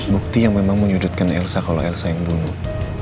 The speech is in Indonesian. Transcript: bukti yang memang menyudutkan elsa kalau elsa yang bunuh